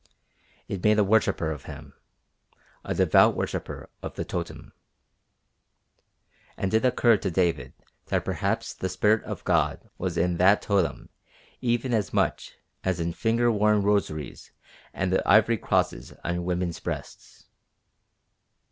It made a worshipper of him a devout worshipper of the totem. And it occurred to David that perhaps the spirit of God was in that totem even as much as in finger worn rosaries and the ivory crosses on women's breasts.